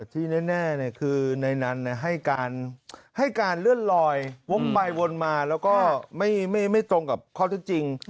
ที่แน่คือในนั้นให้การเลื่อนลอยวกไปวนมาแล้วก็ไม่ตรงกับข้อเท็จจริง